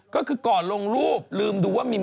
ก็คือก่อนลงรูปลืมดูว่ามี